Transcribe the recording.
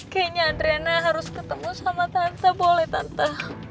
kayaknya adrena harus ketemu sama tante boleh tante